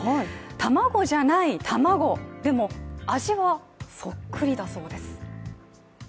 卵じゃない卵、でも味はそっくりだそうです。